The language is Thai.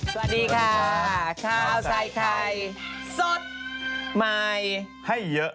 สวัสดีค่ะข้าวใส่ไข่สดใหม่ให้เยอะ